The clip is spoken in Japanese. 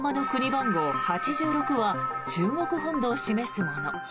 番号８６は中国本土を示すもの。